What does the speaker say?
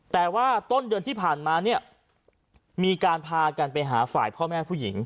แต่ว่าต้นเดือนที่ผ่านมาเนี่ยมีการพากันไปหาฝ่ายพ่อแม่ผู้หญิง